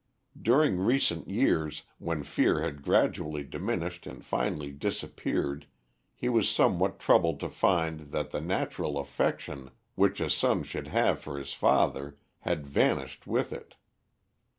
During recent years, when fear had gradually diminished and finally disappeared, he was somewhat troubled to find that the natural affection, which a son should have for his father, had vanished with it.